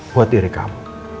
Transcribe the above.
buat diri kamu